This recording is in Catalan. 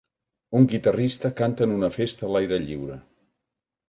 Un guitarrista canta en una festa a l'aire lliure.